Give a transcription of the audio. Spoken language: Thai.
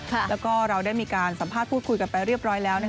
แล้วก็เราได้มีการสัมภาษณ์พูดคุยกันไปเรียบร้อยแล้ว